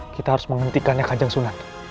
kita harus menghentikannya kajang sunat